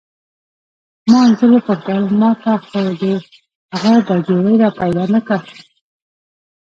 ما انځور وپوښتل: ما ته خو دې هغه باجوړی را پیدا نه کړ؟